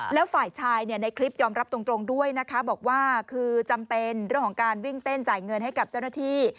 แล้วฝ่ายชายในคลิปยอมรับตรงด้วยนะคะบอกว่าคือจำเป็นเรื่องของการวิ่งเต้นจ่ายเงินให้กับเจ้าหน้าที่